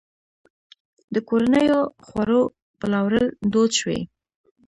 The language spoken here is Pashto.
د کورنیو خوړو پلورل دود شوي؟